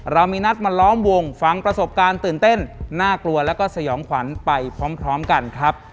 เรามีนัดมาล้อมวงฟังประสบการณ์ตื่นเต้นน่ากลัวแล้วก็สยองขวัญไปพร้อมกันครับ